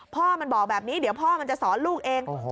พ่อมันบอกแบบนี้เดี๋ยวพ่อมันจะสอนลูกเอง